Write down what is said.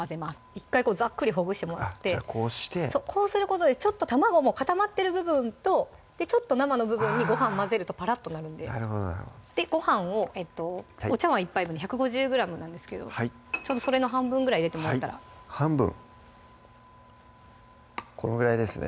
１回ザックリほぐしてもらってじゃあこうしてこうすることでちょっと卵も固まってる部分とちょっと生の部分にご飯混ぜるとパラッとなるんででご飯をお茶碗１杯分で１５０ｇなんですけどちょうどそれの半分ぐらい入れてもらったら半分このぐらいですね